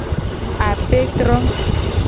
Apetro.